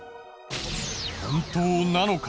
本当なのか？